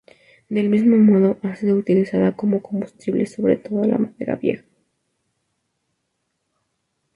Del mismo modo, ha sido utilizada como combustible, sobre todo la madera vieja.